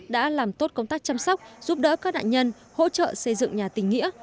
đã làm tốt công tác chăm sóc giúp đỡ các nạn nhân hỗ trợ xây dựng nhà tình nghĩa